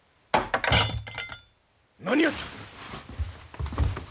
何やつ！？